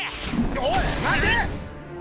おい待て！